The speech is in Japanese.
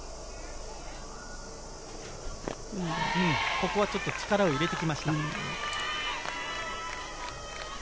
ここはちょっと力を入れてきました。